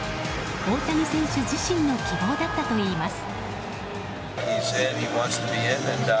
大谷選手自身の希望だったといいます。